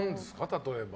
例えば。